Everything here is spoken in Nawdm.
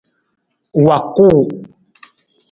Wa kuu.